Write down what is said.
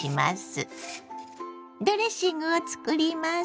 ドレッシングを作ります。